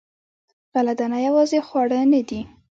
غله دانه یوازې خواړه نه دي.